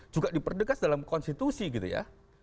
juga diperdekas dalam konstitusi gitu ya